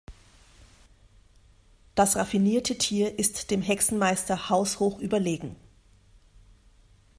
Das raffinierte Tier ist dem Hexenmeister haushoch überlegen.